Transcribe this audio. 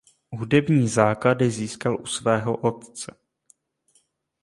Hudební základy získal u svého otce.